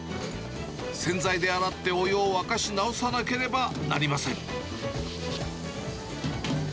洗剤で洗って、お湯を沸かし直さなければなりません。